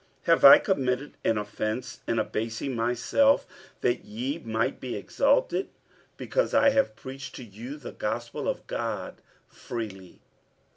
47:011:007 Have I committed an offence in abasing myself that ye might be exalted, because I have preached to you the gospel of God freely?